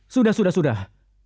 sudah sudah sudah